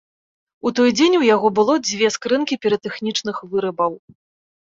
У той дзень у яго было дзве скрынкі піратэхнічных вырабаў.